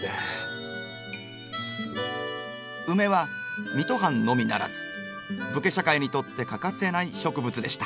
ウメは水戸藩のみならず武家社会にとって欠かせない植物でした。